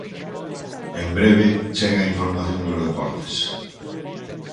En breve chega a información dos deportes.